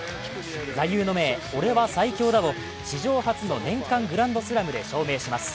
座右の銘「俺は最強だ！」を史上初の年間グランドスラムで証明します。